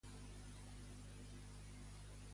Què va passar quan a Polinices li tocava ocupar el tron?